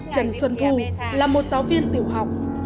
trần xuân thu là một giáo viên tiểu học